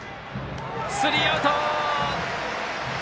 スリーアウト！